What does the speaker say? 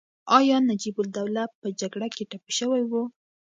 ایا نجیب الدوله په جګړه کې ټپي شوی و؟